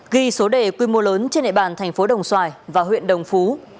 ghi số đề quy mô lớn trên địa bàn thành phố đồng xoài và huyện đồng phú